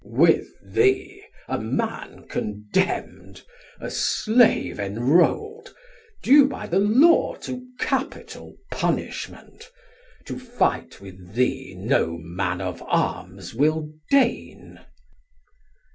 Har: With thee a Man condemn'd, a Slave enrol'd, Due by the Law to capital punishment? To fight with thee no man of arms will deign.